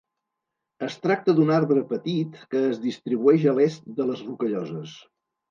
Es tracta d'un arbre petit, que es distribueix a l'est de les Rocalloses.